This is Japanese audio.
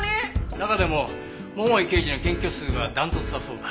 中でも桃井刑事の検挙数は断トツだそうだ。